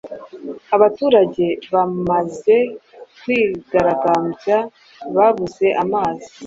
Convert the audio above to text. Abaturage bamaze kwigaragambya babuze amazi